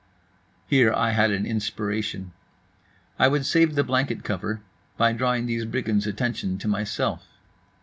Here I had an inspiration. I would save the blanket cover by drawing these brigands' attention to myself.